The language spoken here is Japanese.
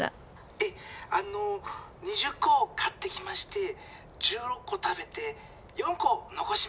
ええあの２０こ買ってきまして１６こ食べて４このこしました。